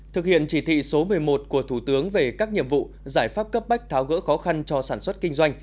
thực hiện chỉ thị số một mươi một của thủ tướng về các nhiệm vụ giải pháp cấp bách tháo gỡ khó khăn cho sản xuất kinh doanh